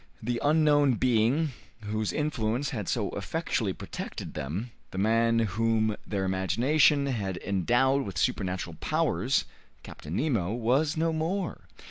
The unknown being whose influence had so effectually protected them, the man whom their imagination had endowed with supernatural powers, Captain Nemo, was no more.